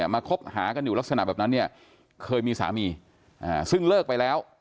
คบหากันอยู่ลักษณะแบบนั้นเนี่ยเคยมีสามีซึ่งเลิกไปแล้ว